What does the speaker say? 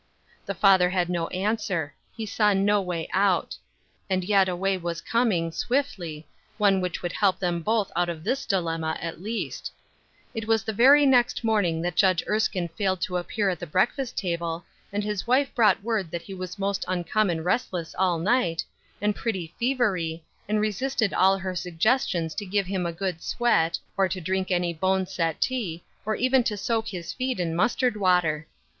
The father had no answer ; he saw no way out. And yet a way was coming, swiftly — one which would help them both out of this dilemma, at least. It was the very next morning that Judge Erskine failed to appear at the breakfast table and his wife brought word that he was most uncommon i"pstless all nipfht, and pretty A Newly Shaped Cross. 171 fevery, and resisted all her suggestions to give him a good sweat, or to drink any boneset tea, or even to soak his feet in mustard water.